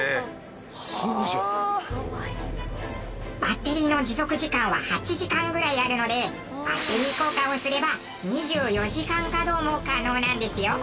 バッテリーの持続時間は８時間ぐらいあるのでバッテリー交換をすれば２４時間稼働も可能なんですよ。